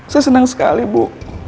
saya senang sekali bu